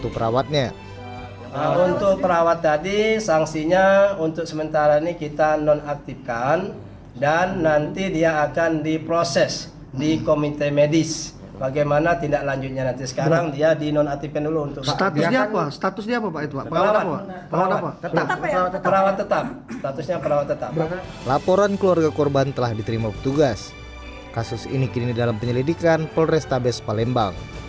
penyelidikan pelrestabes palembang